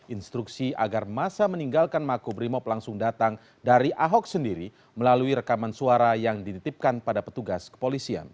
instruksi agar masa meninggalkan makobrimob langsung datang dari ahok sendiri melalui rekaman suara yang dititipkan pada petugas kepolisian